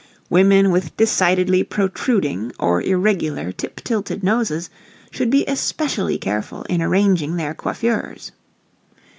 Women with decidedly protruding, or irregular, tip tilted noses should be especially careful in arranging their coiffures.